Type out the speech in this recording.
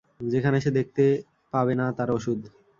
যেখানে সে দেখতে পাবে না তার ওষুধ।